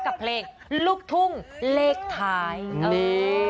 กับเพลงลูกทุ่งเลกไถ